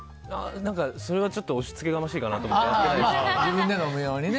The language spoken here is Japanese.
それはちょっと押しつけがましいかなと思って自分で飲む用にね。